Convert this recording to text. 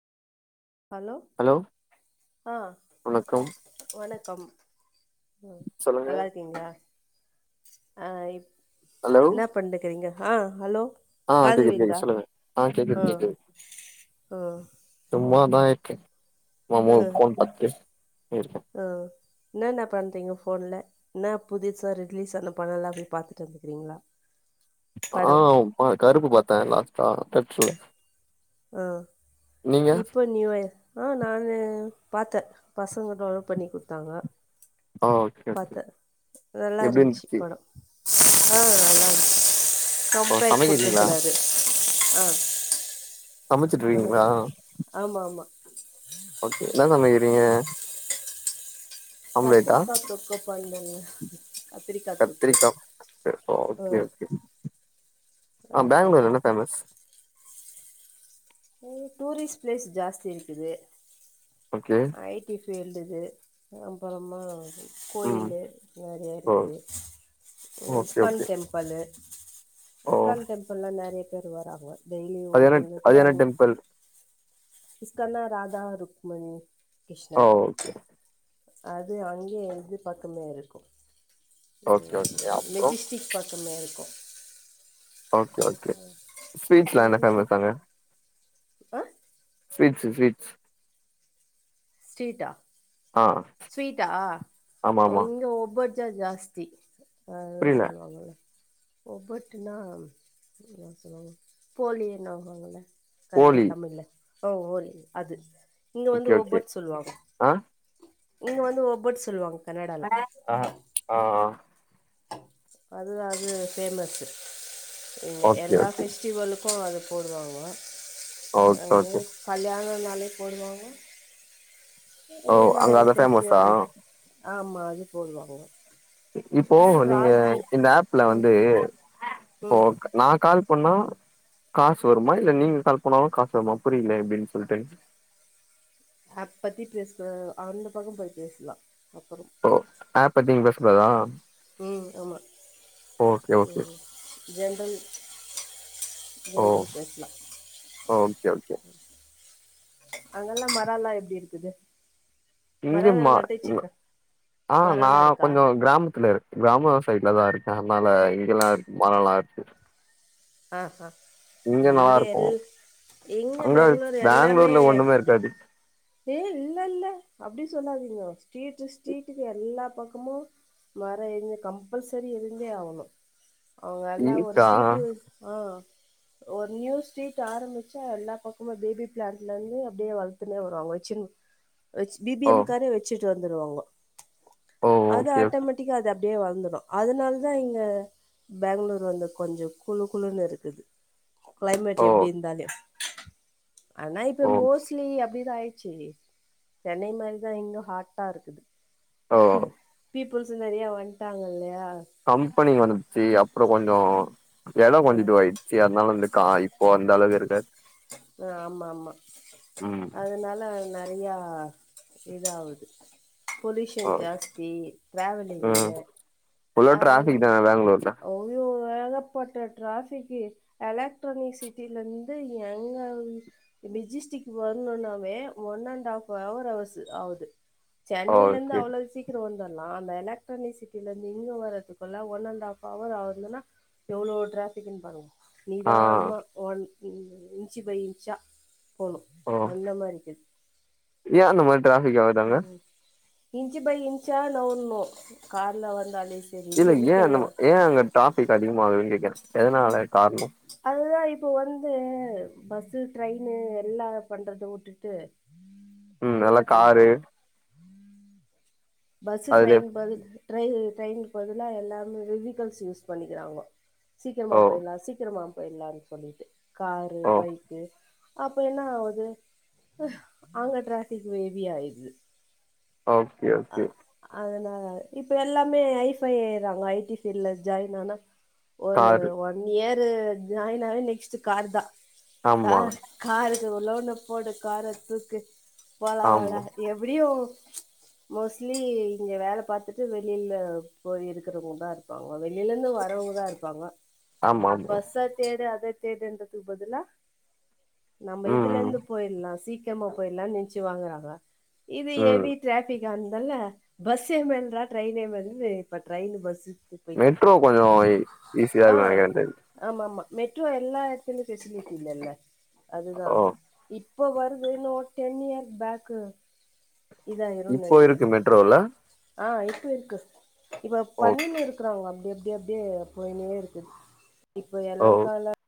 hello ஆ வணக்கம் வணக்கம் சொல்லுங்க நல்லா இருக்கீங்ளா ஆ இ ஹலோ என்ன பண்ணக்குறீங்க ஆ ஹலோ ஆ காதுல கேக்குது கேக்குது விழுதா சொல்லுங்க ஆ கேக்குது கேக்குது ஆ சும்மாதா இருக்கே ஓ ஆ ஓ ஃபோன் பாத்து பேசு ஆ என்ன என்ன பண்ணுறிங்க ஃபோன்ல என்ன புதுசா ரிலீஸ் ஆன படலா போய் பார்த்துட்டு வந்துக்கிறீங்களா ஆ படம் பட கருப்பு பாத் [unintelligible] பெட்டுல ஆ இப்போ நியூய ஆ நானு பாத்தே பசங்க டவ்ன்லோட் பண்ணி குடுத்தாங்க ஆ ஓகே கே பாத்தே நல்லா எப்டி இருந்துச்சு படம் ஆ நல்லாருந்ச் ஓ கம்ப்பேக் சமைக்கிறீங்களா கொடுத்திருக்கறாரு ஆ சமைச்சிட்டுருக்கீங்களா பண்ணக்கூடாது ஆமா ஆமா ஓகே என்ன சமைக்கிறீங்க ஆம்லேட்டா கத்திரிக்கா தொக்கு பாய்லு கத்திரிக்கா ஆ ஒகே ம் ஒகே அ அது பேங்களூர் என்ன பண்ணலான்ட்டு ஃபேமஸ் டூரிஸ்ட் பிளேஸ் ஜாஸ்தி இருக்குது ஓகே ஐட்டி ஃபீல்டுக்கு அப்புறமா ம் கோயிலு நிறைய ஓ இருக்குது ஓகே ஸ்கன் ஓகே டெம்பள் ஓ ஸ்கன் டெம்பள்ல்லாம் நிறைய பெய்ட்வர ஆகுங்க டெய்லி அது என்ன ஓப்பன் இருக்குது என்ன அது டெம்பிள் இ்ஸ்கனா‌ ராதா ருக்மணி ஓ கிருஷ்ணர் ஓகே அது அங்கே இழுது பக்கமே இருக்கு ம் ஓகே ஓகே அப்றோ மெஜஸ்டிக் பக்கமே இருக்கு ஓகே ஓகே ஸ்வீட்ஸ்லா என்ன ஃபேமஸ் மெஜிஸ்டிக் அங்க ஆ ஸ்விட்ஸ் ஸ்விட்ஸ் ஸ்டேட்டா ஆ ஸ்வீட்டா ஆமா ஆமா இங்க ஒவ்வொருத் த்த ஜாஸ்தி ஹ எதோ புரியல சொல்லுவாங்கல்ல ஒவ்வட்டுனா என்ன சொல்லுவாங்க போலி என்னவாங்கல கர்னா போலி தமிழ்ல ஓ ஓரி அது இங்க வந்து ஓகே ஓகே ஒபொட் சொல்லுவாங்க ஆ இங்க வந்து ஒப்பொட்டு் சொல்லுவாங்க கன்னடால ஆ ஆஆ அதுதா அது ஃபேமஸ் இங்க ஓகே எல்லா ஓகே ஃபெஸ்டிவலுக்கு அது போடு வாங்கோ அ ஓகே ஓகே கல்யாணோ இதனாலே போடுவாங்கோ ஓ அங்க அத ஃபேமஸா ஆமா அது போடுவாங்க இப்போ அப்றோ நீங்க ராஜு இந்த ஆப்ல ம் வந்து ம் ஓக் நா கால் பண்ணா காசு வருமா இல்ல நீங்க கால் பன்னாலு காசு வருமா புரிய்ல எப்டினு சொல்ட்டு ஆப் பத்தி பேச அந்த பக்க போய் பேசலா அப்றோ ஓ ஆப் பாத்தீங்க பேசகூடாதா உ ஆமா உ ஓகே ஜென்ரல் ஓ ஜென்ரல் பேச்லா ஓகே ஓகே அங்கெல்லா மரல்லா எப்டி இருக்குது இங்க மரல்லா மா நட்டு வச்சுக்கிறே ஆ நா மரல்லா இருக்கா கொஞ்சோ கிராமத்துல இரு கிராமோ சைட்ல தா இருக்கே அதனால இங்கல்லா இருக்கு மரோலா இருக் ஆ ஹ இங்க இருக்கு எல் இங்க அங்க பெங்களூர் எல்லாமே பெங்களூர்ல ஒண்ணுமே இருக்காது ஏ இல்லல்ல அப்டி சொல்லாதீங்க ஸ்ட்ரீட் ஸ்ட்ரீட்டுக்கு எல்லா பக்கமு மரோ இருந்து கம்பல்சரி இருந்தே ஆவனு அவங்க எல்லா ஒரு இருக்கா ஸ்ட்ரீட்டுக்கு ஆ ஒரு நியூ ஸ்ட்ரீட் ஆரம்பிச்சா எல்லா பக்கமு பேபி பிளாண்ட்ல இருந்து அப்டியே வளத்துனே வருவாங்கோ வெச்சினு வெச் பி பி ஓ எம் காரே வெச்சுட்டு வ வந்துருவாங்கோ ஓ அது ஓகே ஓகே ஆட்டோமேட்டிக்கா அது அப் டியே வளந்துரு அதனாலதா இங்க பேங்களூர் வந்து கொஞ்சோ குளுகுளுன்னு இருக்குது கிளைமேட் ஓ எப்டி இருந்தாலே ஆனா இப்ப ஓ மோஸ்ட்லி அப்டி இது ஆயிட்ச்சு சென்னை மாரிதா இங்கயு ஹாட்டா இருக்குது ஓ பீப் புள்ஸ் நெறையா வந்ட்டாங்க இல்லையா கம்பெனி வந்துருச்சு அப்புற கொஞ்சோ எடோ அ கொஞ்ச இதுவாயிடுச்சு அதனால இந்த கா இப்போ அந்த அளவு இருக்காது ஆமா ஆமா ம் அதனால நெ றையா இதாவுது ஓ பொல்யூஷன் ஜாஸ்தி ம் டிராவலிங்கு ஃபுல்லா அது டிராஃபிக் தான பெங்களூர்ல ஐயோ ஏகப்பட்ட டிராஃபிக்கி எலக்ட்ரானிக் சிட்டிலிருந்து எங்க அ மெஜிஸ்டிக் வரணுன்னாவே one and half hour hours ஆவுது சென்னைலர்ந்து ஓகே அவ்ளவு சீக்கிரோ வந்த ர்லா அந்த எலக்ட்ரானிக் சிட்டிலருந்து இங்கே வரதுக்குள்ள ஒன் அண்ட் ஹாஃப் ஹவர் ஆகுதுன்னா எவ்ளோ டிராஃபிக்குன்னு பாருங்க ஆ நிதானமா ஒன் நின்னு இன்ச் பை இன்ச்சா போணு ஓ அந்த மாரிக்கு ஏ அந்த மாரி டிராஃபிக் ஆகுது அங்க இன்ச் பை இன்ச்சா நவுரணு கார்ல வந்தாலே சரி இல்ல ஏன் வெஹிக்கள்ல நம்ம ஏன் அங்க டிராபிக் அதிகமாகுதுன்னு கேக்கறே எதனால காரணோ அதுதா இப்ப வந்து பஸ் ட்ரெயின்னு எல்லா பண்றத உட்டுட்டு ம் நல்ல காரு பஸ் அதுலயே ட்ரெயின் பதிலு ட்ரை ட்ரெயினக்கு பதிலாக எல்லாமே வி விகல்ஸ் யூஸ் பண்ணிக்கிறாங்கோ சீக்கிரமா ஓ போயிரலாம் சீக்கிரமா இப்ப எல்லாரு சொல்லிட்டு காரு ஓ பைக்கு அப்ப என்ன ஆவுது அங்க டிராபிக் ஹெவியா ஆயிருது ஓகே ஓகே இப்ப எல்லாமே ஐபை ஆயிறாங்க ஐ டி ஃபில்டுல ஜாயின் ஆனா ஒரு காரு ஒன் இயர் து ஜாயின்னாலே நெக்ஸ்ட் கார் தான் ஆமா கார் காரு லோன போடு கார தூக்கு போலா வாட ஆமா எப்டியோ மோஸ்ட்லி இங்க வேலை பாத்துட்டு வெளில போய் இருக்கிறவங்க தான் இருப்பாங்க வெளிலேருந்து வரவங்க தான் இருப்பாங்க ஆமா ஆமா ம் பஸ்ஸ தேடு அத தேடுன்றதுக்கு பதிலா நம்ம ம் இதுலருந்து போயிடலாம் சீக் சீக்கிரமா போயிரலாம் நினச்சு வாங்குறாங்க இது எ ம் வி டிராக் அந்தல்ல பஸ் ஏ மேல்ரா டிரையின் ஏ மேலு இப்ப ட்ரைனு பஸ் மெட்ரோ கொஞ்ச ஈஸியா ஆ இருக்கும் அங்கேந்து ஆமா ஆமா மெட்ரோ எல்லா எடத்திலு பெசிலிட்டி இல்லல்ல அதுதான் ஓ இப் இப்போ வருது இன்னோர் டென் இயர் பேக்கு இதாயிரும்னு இப்போ இருக்கு மெட்ரோல கு இருக்கு இப்ப ஓ பண்ணினு இருக்றாங்க எப்டியே அப்டியே போயினே இருக்கு இப்போ எல்லா ஓ கால